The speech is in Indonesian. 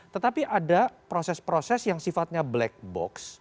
tetapi ada proses proses yang sifatnya black box